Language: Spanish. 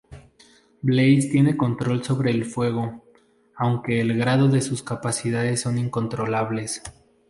Blaze tiene control sobre el fuego, aunque el grado de sus capacidades son incontrolables.